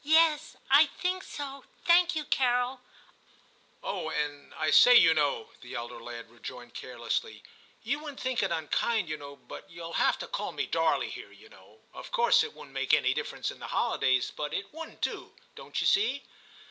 * Yes, I think so, thank you, Carol.* *Oh! and I say, you know,' the elder lad rejoined carelessly, *you won't think it un kind, you know ; but you'll have to call me Darley here, you know ; of course it won't make any difference in the holidays ; but it wouldn't do, don't you see.